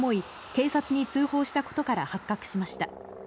警察に通報したことから発覚しました。